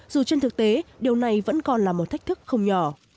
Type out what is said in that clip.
dù trên thực tế điều này vẫn còn là một thách thức không nhỏ